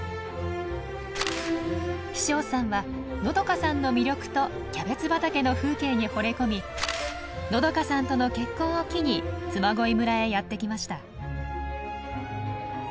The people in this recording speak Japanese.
飛翔さんはのどかさんの魅力とキャベツ畑の風景にほれ込みのどかさんとの結婚を機に嬬恋村へやって来ました。